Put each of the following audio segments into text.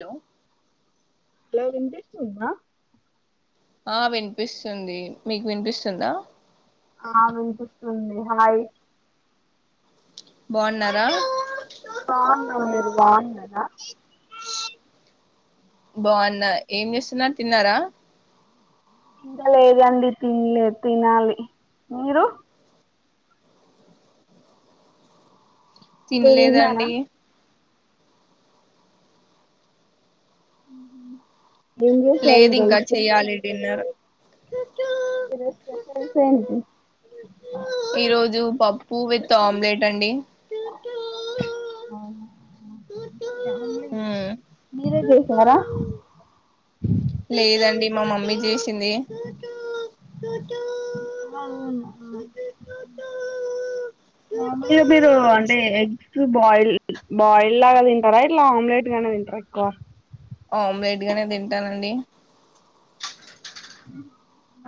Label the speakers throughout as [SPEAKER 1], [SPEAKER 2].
[SPEAKER 1] Hello
[SPEAKER 2] hello వినిపిసుందా
[SPEAKER 1] ఆ వినిపిస్తుంది మీకు వినిపిస్తుందా
[SPEAKER 2] ఆ వినిపిస్తుంది హాయ్
[SPEAKER 1] బాగున్నారా
[SPEAKER 2] అ
[SPEAKER 1] బాగున్నా ఏం చేస్తునారు తిన్నారా
[SPEAKER 2] ఇంకా లేదండి తినలే తినాలి మీరు
[SPEAKER 1] తిన్
[SPEAKER 2] మీరు తిన్నారా
[SPEAKER 1] లేదండి
[SPEAKER 2] ఎం చేశారు ఈ
[SPEAKER 1] లేదు
[SPEAKER 2] రోజు
[SPEAKER 1] ఇంకా
[SPEAKER 2] స్పెషల్
[SPEAKER 1] చెయ్యాలి డిన్నర్
[SPEAKER 2] ఈ రోజు స్పెషల్స్ ఏంటీ
[SPEAKER 1] పు విత్ ఆమ్లెట్ అండి ఆ
[SPEAKER 2] మీరే చేసారా
[SPEAKER 1] లేదండి మా మమ్మీ చేసింది
[SPEAKER 2] అవున నార్మల్గా మీరు అంటే ఎగ్స్ బాయిల్ బాయిల్ లాగా తింటారా ఇట్లా ఆమ్లెట్ గనే తింటరా ఎక్కువ
[SPEAKER 1] ఆమ్లెట్ గానే తింటానండి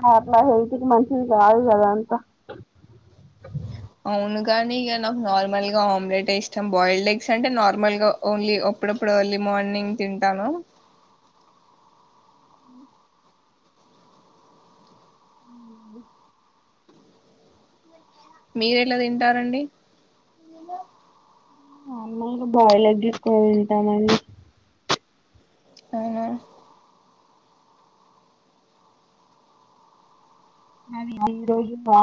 [SPEAKER 2] అది అట్ల హెల్తుకి మంచిది కాదు కదా అంత
[SPEAKER 1] అవును కాని ఇక నాకు నార్మల్ గా ఆమ్లెట్ ఇష్టాం బాయిల్డ్ ఎగ్స్ అంటే నార్మల్ గా ఓన్లీ అప్పుడప్పుడు ఎర్లీ మార్నింగ్ తింటాను
[SPEAKER 2] ఊ
[SPEAKER 1] మీరు ఎట్లా తింటారండి
[SPEAKER 2] నార్మల్ గా బాయిల్ ఎగ్ ఎక్కువగా తింటామండి
[SPEAKER 1] అవునా
[SPEAKER 2] నాది ఇది ఈ రోజు లా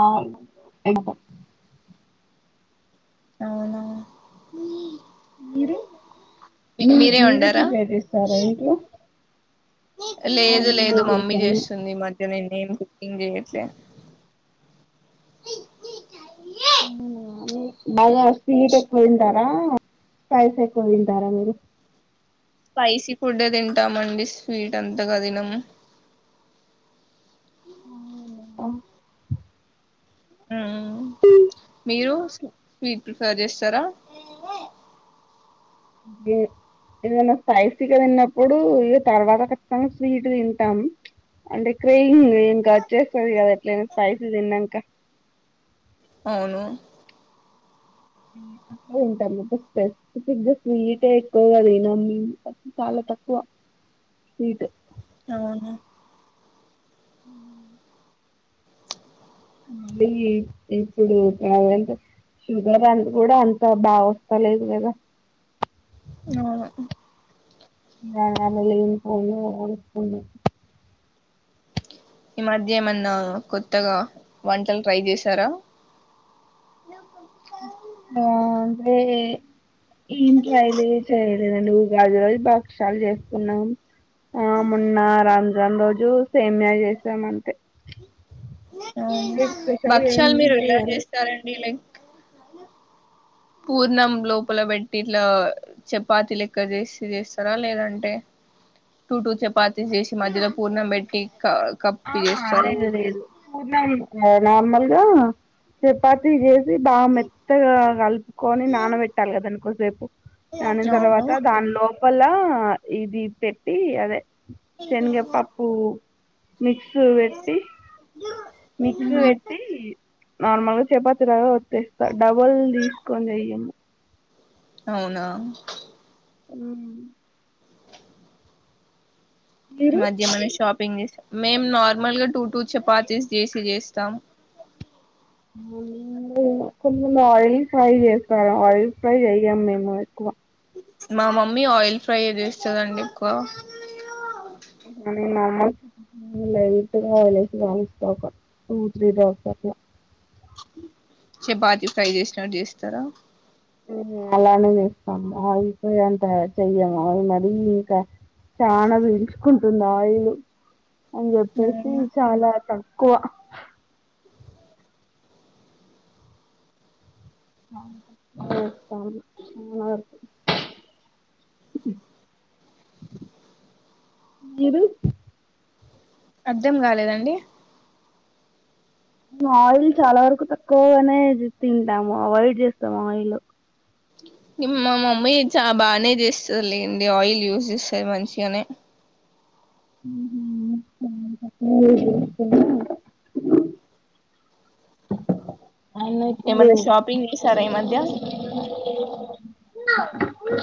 [SPEAKER 2] వినబడుతుంది
[SPEAKER 1] అవునా
[SPEAKER 2] మీది మీ మీరే ప్రిపేర్ చేస్తారా ఇంట్లో ఆ
[SPEAKER 1] లేదు
[SPEAKER 2] నేనే
[SPEAKER 1] లేదు మమ్మీ
[SPEAKER 2] చేశాను
[SPEAKER 1] చేస్తుంది ఈ మధ్యన నే కుకింగ్ చేయట్లే
[SPEAKER 2] అవునా బాగా స్వీట్ ఎక్కువ తింటారా స్పైస ఎక్కువ తింటారా మీరు
[SPEAKER 1] స్పైసీ ఫుడ్ే తింటామండి స్వీట్ అంతగా తినము ఆ మీరు స్వీట్ ప్రిఫర్ చేస్తారా
[SPEAKER 2] ఏదైనా స్పైసీగా తిన్నప్పుడు ఇ తర్వాత ఖచ్చితంగా స్వీట్ తింటాం అంటే క్రేయింగ్ ఇంకా వచ్చేస్తుంది కదా ఎట్లనా స్పైసీ తిన్నాక
[SPEAKER 1] అవును
[SPEAKER 2] అట్లా ఉంటా స్పెసిఫిక్ స్వీటే ఎక్కువగా తిన్నాము చాలా తక్కువ స్వీట్
[SPEAKER 1] అవు
[SPEAKER 2] హ మళ్ళీ ఇప్పుడు అదంటే షుగర్ అంత కూడా అంత బాగా వస్తా లేదు కదా
[SPEAKER 1] ఆ
[SPEAKER 2] దాని వాళ్ళ లేని పోనీ [unintelligible]
[SPEAKER 1] ఈ మధ్య ఏమన్నా కొత్తగా వంటలు ట్రై చేశారా
[SPEAKER 2] ఆ అంటే ఏం ట్రైలు చేయలేదండి ఉగాది రోజు భక్షలు చేసుకున్నాం ఆ మొన్న రంజాన్ రోజు సేమ్యా చేసాం అంతే సపరేట్ స్పెషల్ ఏం
[SPEAKER 1] భక్ష్యాలు మీరు ఎలా
[SPEAKER 2] చేయలే
[SPEAKER 1] చేస్తారండి లైక్ పూర్ణం లోపల పెట్టి ఇట్లా చపాతీ లెక్క చేసి చేస్తారా లేదంటే టూ టూ చపాతీ చేసి మధ్యలో పూర్ణం పెట్టి క
[SPEAKER 2] అ
[SPEAKER 1] కప్పి చేస్తారా
[SPEAKER 2] లేదు పూర్ణం నార్మల్గా చపాతి జేసి అది బాగా మెత్తగా కలుపుకొని నానబెట్టాలి కదా అనుకో రేపు దానిన తర్వాత
[SPEAKER 1] అవును
[SPEAKER 2] దానిలో ప్పలా ఇది పెట్టి అదే శనగ పప్పు మిక్స్ పెట్టి మిక్స్ పెట్టి నార్మల్ గా చపాతిరాగా ఒత్యాస్త డబల్ తీసుకొని చెయ్యము
[SPEAKER 1] అవునా
[SPEAKER 2] ఉమ్ మీరు
[SPEAKER 1] మద్య ఏం అన్న షాప్ ఇంగ్ మేం నార్మల్ గా టూ టూ చపాతీస్ చేసి చేస్తాం
[SPEAKER 2] మేము కొ ఆయిల్ ఫ్రై చేస్తారు ఆయిల్ ఫ్రై చెయం మేము ఎక్కువ
[SPEAKER 1] మా మమ్మీ ఆయిల్ ఫ్రై చేస్తుందండి ఎక్కువ
[SPEAKER 2] మ్ట్గావలసి కాస్తకఆయిల్ వేసి టూ త్రీ డ్రాప్స్ అట్లా
[SPEAKER 1] చపాతి ఫ్రై చేసినట్టు చేస్తారా
[SPEAKER 2] అలానే చేస్తాం ఆయిల్ ఫ్రై అంత చెయ్యం మరీ ఇంకా చాలనాా పీల్చుకుంటుంది ఆయిల్ అని చెప్పేసి చాలా త కోవ [unintelligible] ఏదు [inaudible]
[SPEAKER 1] అర్ధం కాలేదండి
[SPEAKER 2] మేము ఆయిల్ చాలా వరకు తక్కువగానే తింటాము అవాయిడ్ చేస్తాము ఆయిల్
[SPEAKER 1] మా మమ్మీ చా బానే చేస్తుంది లేండి ఆయిల్ యూస్ చేస్తారు మంచిగనే
[SPEAKER 2] హహు మా మమ్మీ తక్కువగానే యూస్ చేస్తుంది అయినా ఇప్పుడు
[SPEAKER 1] ఏమన్నా షాపింగ్ చేసారా ఈ మధ్య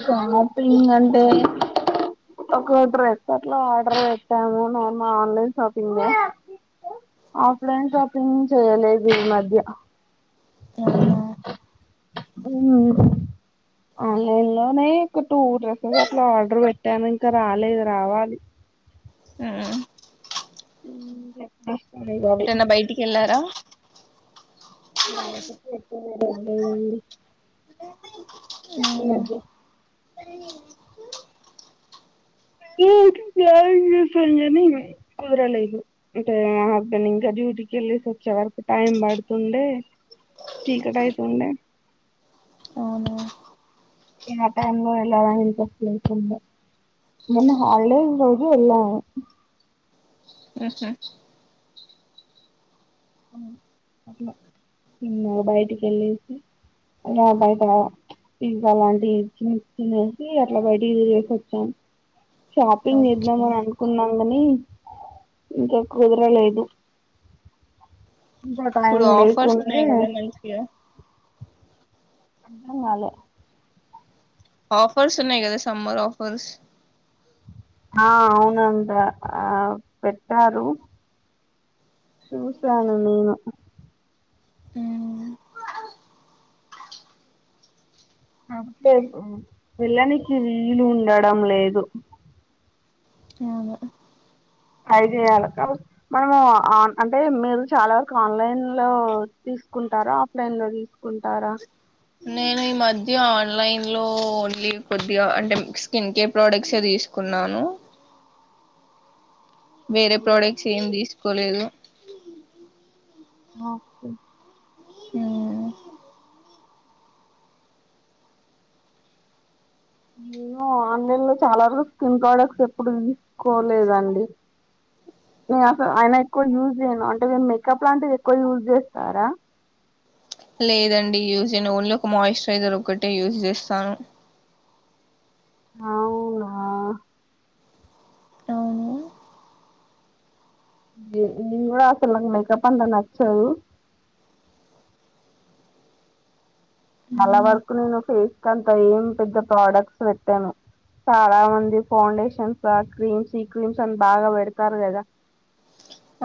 [SPEAKER 2] షాపింగ్ అంటే ఒక డ్రెస్ అట్లా ఆర్డర్ పెట్టాము నేను ఆన్లైన్ షాపింగ్ ఆఫ్లైన్ షాపింగ్ చేయలేదు ఈ మధ్య
[SPEAKER 1] అవునా
[SPEAKER 2] ఆన్లైన్ లోనే ఒక టూ డ్రెస్సెస్ అట్లా ఆర్డర్ పెట్టాను ఇంకా రాలేదు రావాలి
[SPEAKER 1] ఉమ్
[SPEAKER 2] హ్మ్ ఎప్పుడు వస్తు
[SPEAKER 1] ఏటన్నా బయటికి ఎళ్లారా
[SPEAKER 2] ఈ
[SPEAKER 1] అవునా
[SPEAKER 2] మధ్య [inaudible] హ్మ్ కుదరలేదు అంటే మా హస్బెండ్ ఇంకా డ్యూటీకి వెళ్ళిసి వచ్చే వరకు టైం పడుతుండే చీకటైతుండే
[SPEAKER 1] అవునా
[SPEAKER 2] టైమ్ ఎ ఇంట్రెస్ట్తు మొన్న హాలిడేస్ రోజు ఎల్లా
[SPEAKER 1] హ్మహు
[SPEAKER 2] ఉమ్ అట్లాన్న బయటికి వెళ్ళేసి అలా బయట అలాంటి తినేసి అట్లా బయటికి ఎదురెసివచ్చాము షాపింగ్
[SPEAKER 1] ఓకే
[SPEAKER 2] చేద్దాం అని అనుకున్నా అని ఇంక ఎక్కువ తిరగలేదు అంత టైం
[SPEAKER 1] ఇప్పుడు ఆఫర్స్
[SPEAKER 2] లేకుండే
[SPEAKER 1] ఉన్నాయి కదా మంచిగా
[SPEAKER 2] అర్థం కాలే
[SPEAKER 1] ఆఫర్స్ ఉన్నాయి కదా సమ్మర్ ఆఫర్స్
[SPEAKER 2] ఆ అవునండి ఆ పెట్టారు సూశాను నేను అంతే వెళ్ళనీకి వీలు ఉండడం లేదు
[SPEAKER 1] అవును
[SPEAKER 2] ట్రై చేయాల మనము అంటే మీరు చాలా వరకు ఆన్లైన్ లో తీసుకుంటారా ఆఫ్లైన్ లో తీసుకుంటారా
[SPEAKER 1] నేను ఈ మధ్య ఆన్లైన్ లో ఓన్లీ కొద్దిగా అంటే స్కిన్ కేర్ ప్రోడక్ట్స్ ఏ తీసుకున్నాను వేరే
[SPEAKER 2] అవునా
[SPEAKER 1] ప్రోడక్ట్స్ ఏం తీసు కొలెగో
[SPEAKER 2] ఓకే
[SPEAKER 1] హ్మ్
[SPEAKER 2] నేను ఆన్లైన్ లో చాలా వరకు స్కిన్ ప్రోడక్ట్స్ ఎప్పుడు తీసుకోలేదండి నేన్ అసలు అయినా ఎక్కువ యూజ్ చేయ అంటే మేము మేకప్ లాంటిది ఎక్కువ యూస్ చేస్తారా
[SPEAKER 1] లేదండి యూస్ చేయను ఓన్లీ ఒక మాయిశ్చరైజర్ ఒకటే యూస్ చేస్తాను
[SPEAKER 2] ఆ ఔనా
[SPEAKER 1] అవును
[SPEAKER 2] ఏం ఆఫర్లండి అసలు మేకప్ అంటే నచ్చదు చాలా
[SPEAKER 1] మ్మ్.
[SPEAKER 2] వరకు నేను ఫేస్కు అంతా ఏం పెద్ద ప్రోడక్ట్స్ పెట్టాను చాలా మంది ఫౌండేషన్స్ ఆ క్రీమ్స్ ఈ క్రీమ్స్ అని బాగా పెడతారు కదా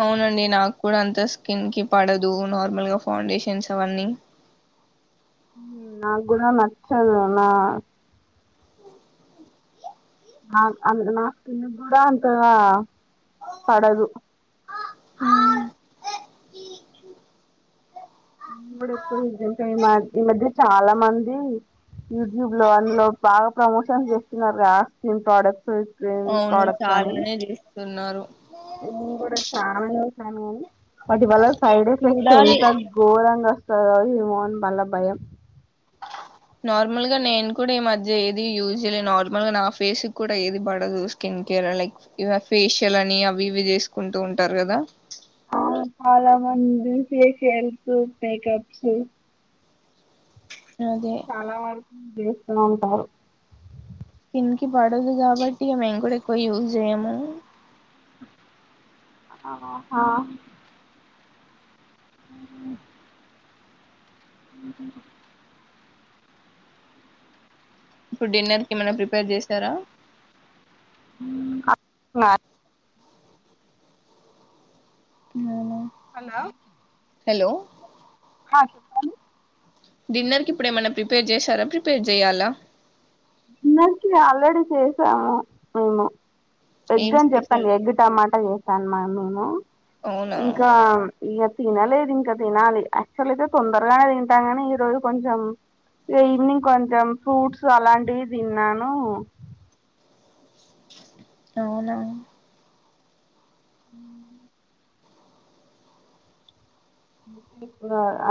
[SPEAKER 1] అవునండి నాకు కూడా అంత స్కిన్ కి పడదు నార్మల్గా ఫౌండేషన్స్ అవన్నీ
[SPEAKER 2] ఉమ్ నాకు కూడా నచ్చదు నా ఆ నా స్కిన్ కి కూడా అంతగా పడదు
[SPEAKER 1] మ్మ్.
[SPEAKER 2] ఉమ్ ఎక్కువ ఈ మధ్య చాలా మంది యూట్యూబ్ లో అందులో బాగా ప్రమోషన్ చేస్తున్నారు రా స్కిన్ ప్రోడక్ట్స్ ఏం ప్రోడక్ట్స్ అని
[SPEAKER 1] తిన్నారు
[SPEAKER 2] నువ్వు కూడా చాలా ని మటి వాాల [inaudible] సైడ్ ఎఫెక్ట్స్
[SPEAKER 1] చూడాలి
[SPEAKER 2] ఎంత ఘోరంగా వస్తు [unintelligible] బళ్ళ భయం
[SPEAKER 1] నార్మల్గ నేను కూడ ఈ మధ్య ఏది యూజ్ చేయలే నార్మల్ గా నా ఫేస్ కూడ ఏది పడదు స్కిన్ కేర్ లైక్ ఫేషియల్ అని అవి ఇవి చేసుకుంటూ ఉంటారు కదా
[SPEAKER 2] అవున్ చాలా మంది ఫేషియల్స్ మేకప్స్
[SPEAKER 1] అదే
[SPEAKER 2] చాలా వె ఉందంటారు
[SPEAKER 1] స్కిన్కి పడదు కాబట్టి మేమ్ కూడ ఎక్కువ యూజ్ చేయము
[SPEAKER 2] అహ హా [inaudible] ఉహు
[SPEAKER 1] ఇప్పుడ్ డిన్నర్ కి ఏమైనా ప్రిపేర్ చేసారా
[SPEAKER 2] [inaudible]
[SPEAKER 1] అవున
[SPEAKER 2] హలో
[SPEAKER 1] హెలో
[SPEAKER 2] హా చెప్పాలి
[SPEAKER 1] డిన్నర్కి ఇప్పుడెమన్నా ప్రిపేర్ చేశార ప్రిపేర్ చెయ్యాల
[SPEAKER 2] ఇందాకే ఆల్రెడీ చేసా
[SPEAKER 1] ఏం
[SPEAKER 2] ఎగ్ అని
[SPEAKER 1] స్పెషల్
[SPEAKER 2] చెప్పాన్గ ఎగ్ టమాటా చేస్తాను మ మేము
[SPEAKER 1] అవునా
[SPEAKER 2] ఇంకా ఇక తినలేదు ఇంకా తినాలి యాక్చువల్ అయితే తొందరగానే తింటాం గానీ ఈ రోజు కొంచెం ఇక ఈవినింగ్ కొంచెం ఫ్రూట్స్ అలాంటి వి తిన్నాను
[SPEAKER 1] అవున
[SPEAKER 2] హ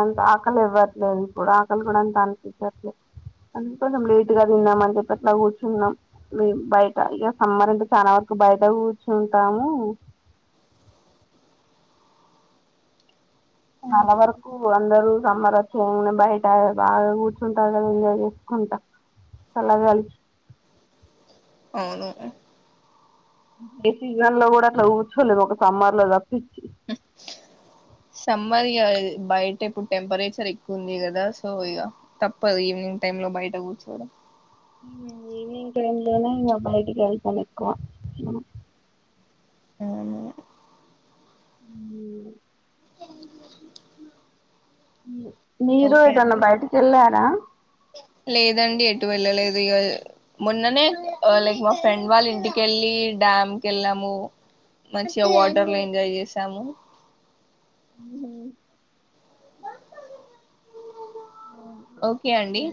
[SPEAKER 2] అంత ఆకలి ఇవ్వట్లేదు ఇప్పుడు ఆకలి కూడ అంత అనిపించట్లేదు అందుకోసం లేటు గా తిన్నామ అని చెప్పి అట్లా కూర్చున్నా మేము బయట ఇక సమ్మర్ అంటె చాలా వరకు బయటె కూర్చుంటాము చాల వరకు అందరుూ సమ్మర్ వచ్చ ఏ బయట బాగా కూర్చుంటారు కదా ఎంజాయ్ చేసుకుంటా చల్ల గాలిక్
[SPEAKER 1] అవును
[SPEAKER 2] ఏ సీజన్లో కూడ అట్ల కూర్చోలేదు ఒక సమ్మర్ లో తప్పించి
[SPEAKER 1] సమ్మర్ ఇగ బయటె ఇప్పుడ్ టెంపరేచర్ ఎక్కువే ఉంది కదా సో ఇక తప్పదు ఈవినింగ్ టైమ్ లో బయట కూర్చోడం
[SPEAKER 2] ఈవ్నింగ్ టైమ్ లోనె ఇంక అ బయటికి వెళ్తాను ఎక్కుగా
[SPEAKER 1] అవున
[SPEAKER 2] హుమ్ హు మీీరు
[SPEAKER 1] ఓకే
[SPEAKER 2] ఏటన్న
[SPEAKER 1] అండి
[SPEAKER 2] బయటకి వెళ్ళార
[SPEAKER 1] టు వెళ్ళలేదు ఇగ మొన్ననే లైక్ మా ఫ్రెండ్ వాళ్ళ ఇంటికెళ్ళి డ్యామ్ కెళ్ళాము మంచిగ వాటర్ లో ఎంజాయ్ చేసాము
[SPEAKER 2] హుమ్
[SPEAKER 1] ఓకే అండి
[SPEAKER 2] ఒకే